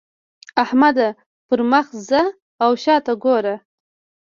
احمده! پر مخ ځه او شا ته ګوره.